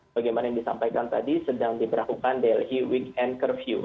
bagaimana yang disampaikan tadi sedang diperlakukan delhi weekend curfew